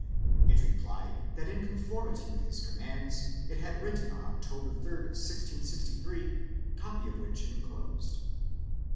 It replied that in conformity with his commands it had written on October 3, 1663, copy of which it enclosed.